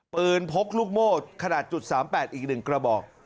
พกลูกโม่ขนาด๓๘อีก๑กระบอก